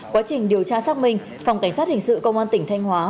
quá trình điều tra xác minh phòng cảnh sát hình sự công an tỉnh thanh hóa